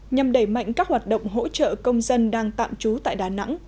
nhằm đẩy mạnh các hoạt động hỗ trợ công dân đang tạm trú tại đà nẵng